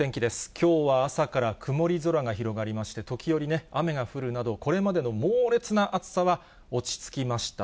きょうは朝から曇り空が広がりまして、時折ね、雨が降るなど、これまでの猛烈な暑さは落ち着きました。